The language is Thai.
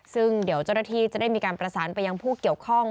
ซึ่งเดี๋ยวเจ้าหน้าที่จะได้มีการประสานไปยังผู้เกี่ยวข้อง